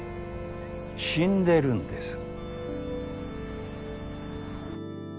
死んでるんです。